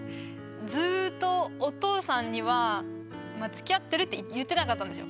ずっとお父さんには「つきあってる」って言ってなかったんですよ。